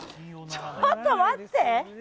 ちょっと待って！